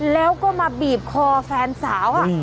แล้วก็มาบีบคอแฟนสาว